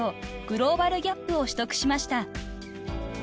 グローバルＧＡＰを取得しました］